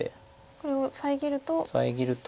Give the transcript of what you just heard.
これを遮ると。